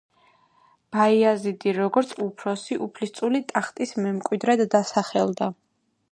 ბაიაზიდი, როგორც უფროსი უფლისწული ტახტის მემკვიდრედ დასახელდა.